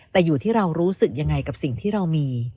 แต่อยู่ที่เรารู้สึกยังไงกับสิ่งที่เรามี